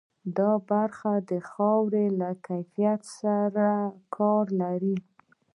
دا برخه د خاورې له کیفیت سره کار لري.